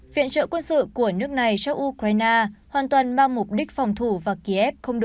viện trợ quân sự của nước này cho ukraine hoàn toàn mang mục đích phòng thủ và ký ép không